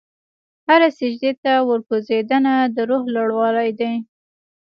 هره سجدې ته ورکوځېدنه، د روح لوړوالی دی.